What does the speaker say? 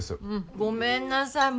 ごめんなさい。